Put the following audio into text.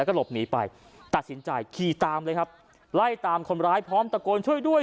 แล้วก็หลบหนีไปตัดสินใจขี่ตามเลยครับไล่ตามคนร้ายพร้อมตะโกนช่วยด้วย